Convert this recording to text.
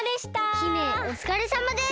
姫おつかれさまです！